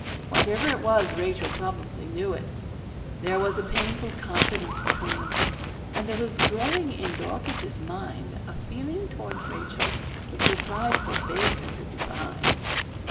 Whatever it was Rachel probably knew it. There was a painful confidence between them; and there was growing in Dorcas's mind a feeling towards Rachel which her pride forbade her to define.